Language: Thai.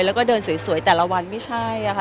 แล้วก็เดินสวยแต่ละวันไม่ใช่ค่ะ